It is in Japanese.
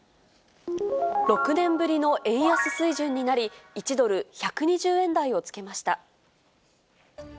６年ぶりの円安水準になり、１ドル１２０円台をつけました。